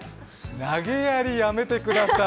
投げやり、やめてください。